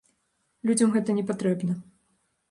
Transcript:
Людзям гэта не патрэбна.